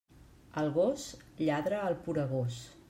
El gos lladra al poregós.